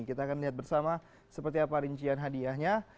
kita akan lihat bersama seperti apa rincian hadiahnya